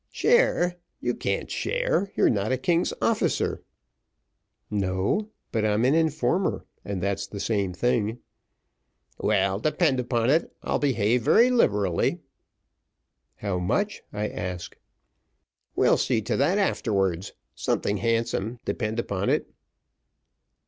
"Share! you can't share you're not a king's officer." "No, but I'm an informer, and that's the same thing." "Well, depend upon it, I'll behave very liberally." "How much, I ask?" "We'll see to that afterwards; something handsome, depend upon it."